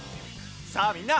さあみんな！